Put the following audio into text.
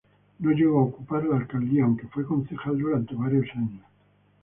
No llegó a ocupar la alcaldía, aunque fue concejal durante varios años.